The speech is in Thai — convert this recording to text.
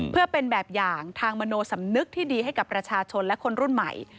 เพื่อเป็นแบบอย่างทางมโนสำนึกที่ดีให้กับประชาชนและคนรุ่นใหม่